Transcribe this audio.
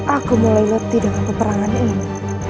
aku mulai ngerti dengan perangannya